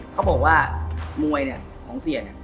เขาบอกว่ามวยของเสีย